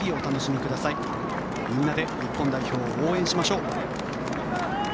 みんなで日本代表を応援しましょう。